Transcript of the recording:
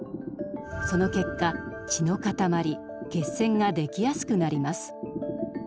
その結果血の塊血栓ができやすくなります。